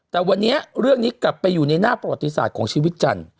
แต่วันนี้เรื่องนี้กลับไปอยู่ในหน้าประวัติศาสตร์ของชีวิตจันทร์